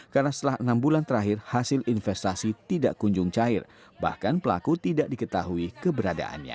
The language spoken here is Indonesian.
karena setelah enam bulan terakhir hasil investasi tidak kunjung cair bahkan pelaku tidak diketahui keberadaannya